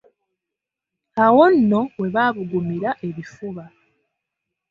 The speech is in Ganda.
Awo nno we baabugumira ebifuba.